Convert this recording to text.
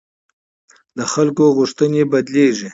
د خلکو غوښتنې بدلېږي